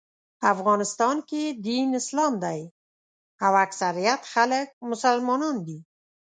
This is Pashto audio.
افغانستان کې دین اسلام دی او اکثریت خلک مسلمانان دي.